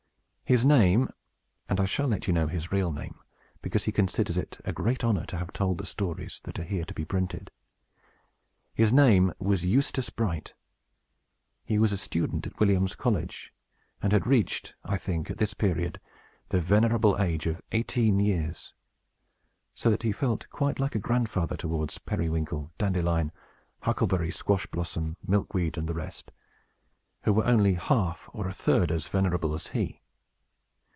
His name (and I shall let you know his real name, because he considers it a great honor to have told the stories that are here to be printed) his name was Eustace Bright. He was a student at Williams College, and had reached, I think, at this period, the venerable age of eighteen years; so that he felt quite like a grandfather towards Periwinkle, Dandelion, Huckleberry, Squash Blossom, Milkweed, and the rest, who were only half or a third as venerable as he.